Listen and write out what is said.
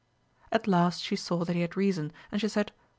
At last she saw that he had reason, and she said.